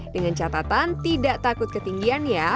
dengan catatan tidak takut ketinggian ya